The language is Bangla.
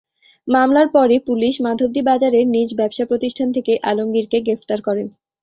মামলার পরই পুলিশ মাধবদী বাজারের নিজ ব্যবসাপ্রতিষ্ঠান থেকে আলমগীরকে গ্রেপ্তার করে।